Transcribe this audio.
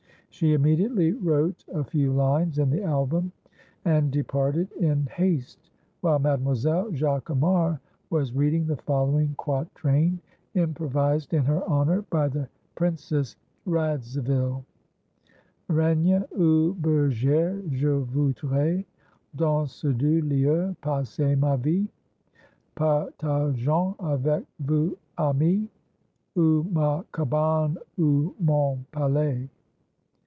She immediately wrote a few lines in the album and departed in haste, while Mademoiselle Jacquemart was reading the following quatrain, improvised in her honour by the Princess Radzivil: "Reine ou bergère je voudrais Dans ce doux lieu passer ma vie, Partageant avec vous, amie, Ou ma cabane ou mon palais."